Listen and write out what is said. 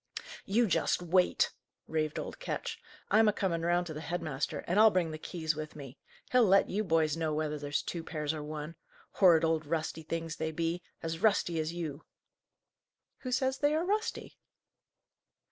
"You just wait!" raved old Ketch. "I'm a coming round to the head master, and I'll bring the keys with me. He'll let you boys know whether there's two pairs, or one. Horrid old rusty things they be; as rusty as you!" "Who says they are rusty?"